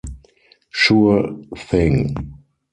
Sure thing.